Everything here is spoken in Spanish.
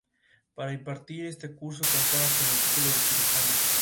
A partir de los años setenta, trabajó sobre todo para el mercado exterior.